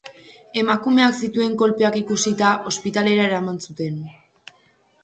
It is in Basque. Emakumeak zituen kolpeak ikusita, ospitalera eraman zuten.